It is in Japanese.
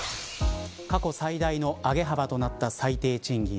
過去最大の上げ幅となった最低賃金。